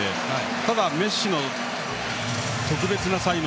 ただメッシの特別な才能。